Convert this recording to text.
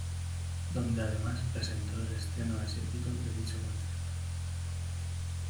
Donde además presentó el estreno asiático de dicho concierto.